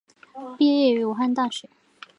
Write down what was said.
毕业于武汉大学。